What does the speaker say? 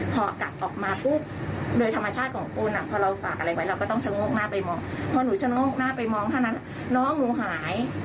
พอกลับออกมาปุ๊บโดยธรรมชาติของคุณพอเราฝากอะไรไว้เราก็ต้องชะโงกหน้าไปมองพอหนูชะโงกหน้าไปมองเท่านั้นน้องหนูหาย